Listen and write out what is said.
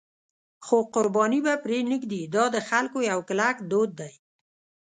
خو قرباني به پرې نه ږدي، دا د خلکو یو کلک دود دی.